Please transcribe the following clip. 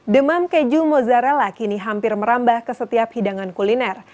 demam keju mozzarella kini hampir merambah ke setiap hidangan kuliner